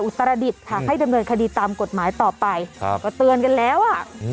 ตรดิษฐ์ค่ะให้ดำเนินคดีตามกฎหมายต่อไปครับก็เตือนกันแล้วอ่ะ